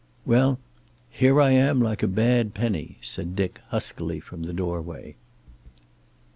"Well, here I am, like a bad penny!" said Dick huskily from the doorway.